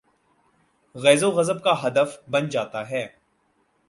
غیظ و غضب کا ہدف بن جا تا ہے۔